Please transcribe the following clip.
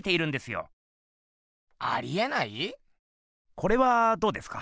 これはどうですか？